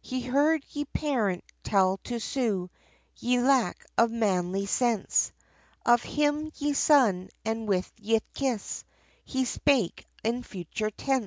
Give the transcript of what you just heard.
He heard ye Parent, tell to Sue, Ye lack of manly sense, Of him, ye son, and with ye kiss, He spake in future tense.